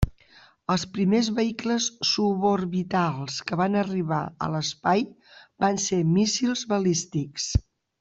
Els primers vehicles suborbitals que van arribar a l'espai van ser míssils balístics.